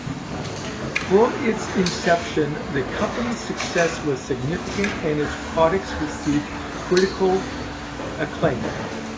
From its inception, the company's success was significant and its products received critical acclaim.